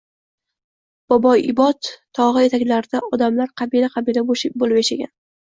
Boboibod togʻi etaklarida odamlar qabila –qabila boʻlib yashagan